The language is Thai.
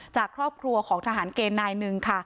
จากครอบครัวของทหารเกดนายหนึ่ง